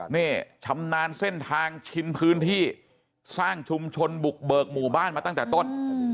นี่ชำนาญเส้นทางชินพื้นที่สร้างชุมชนบุกเบิกหมู่บ้านมาตั้งแต่ต้น